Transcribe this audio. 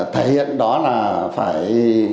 thể hiện đó là phải